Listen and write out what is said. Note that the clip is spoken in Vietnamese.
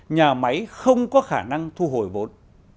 nhà máy không có khả năng thu hồi vốn